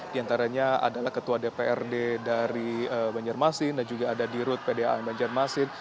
di antaranya adalah ketua dprd dari banjarmasin dan juga ada di rute pdam banjarmasin